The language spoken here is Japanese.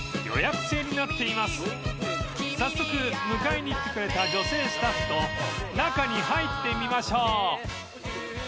［早速迎えに来てくれた女性スタッフと中に入ってみましょう］